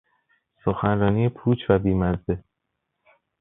سخنرانی پوچ و بیمزه